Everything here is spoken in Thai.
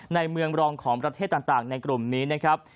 ในเมืองรองของประเทศต่างในกลุ่มนี้นะครับ